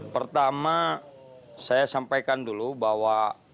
pertama saya sampaikan dulu bahwa